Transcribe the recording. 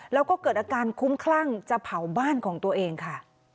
แล้วก็เกิดอาการคุ้มคลั่งจะเผาบ้านของตัวเองค่ะ